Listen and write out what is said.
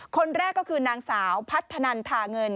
คนแรกก็คือนางสาวพัฒนันทาเงิน